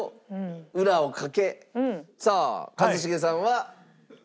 さあ一茂さんは牛丼？